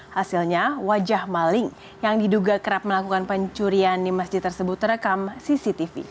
hasilnya wajah maling yang diduga kerap melakukan pencurian di masjid tersebut terekam cctv